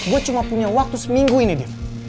gue cuma punya waktu seminggu ini dia